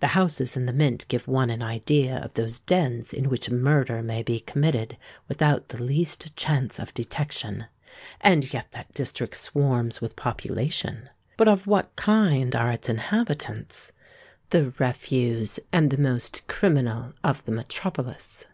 The houses in the Mint give one an idea of those dens in which murder may be committed without the least chance of detection. And yet that district swarms with population. But of what kind are its inhabitants? The refuse and the most criminal of the metropolis.